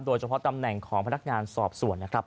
โดยเฉพาะตำแหน่งของพนักงานสอบสวนนะครับ